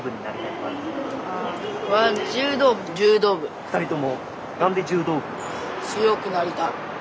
２人とも？